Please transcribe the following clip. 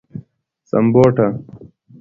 سمبوټه